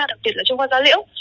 đặc biệt là trung quan gia liễu